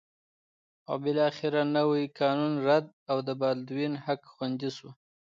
بالاخره نوی قانون رد او د بالډوین حق خوندي شو.